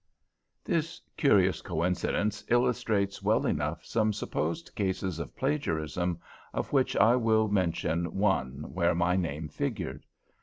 This curious coincidence illustrates well enough some supposed cases of plagiarism of which I will mention one where my name figured.